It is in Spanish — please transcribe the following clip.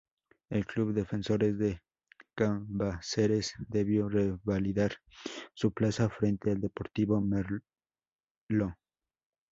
El Club Defensores de Cambaceres debió revalidar su plaza frente al Deportivo Merlo.